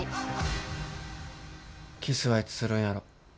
キスはいつするんやろ。